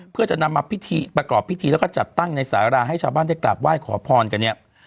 เพื่อจะนำมาพิธีประกอบพิธีแล้วก็จัดตั้งในสาราให้ชาวบ้านได้กราบไหว้ขอพรกันเนี่ย